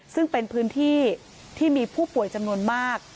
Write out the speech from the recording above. ซึ่งเป็นพื้นที่ที่มีผู้ป่วยจำนวนมาก